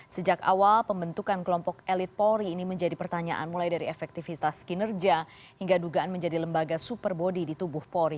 sejak awal pembentukan kelompok elit polri ini menjadi pertanyaan mulai dari efektivitas kinerja hingga dugaan menjadi lembaga super body di tubuh polri